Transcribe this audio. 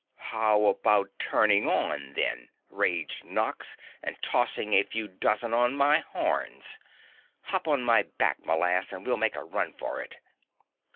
"How about turning on them," raged Nox, "and tossing a few dozen on my horns? Hop on my back, m'lass, and we'll make a run for it."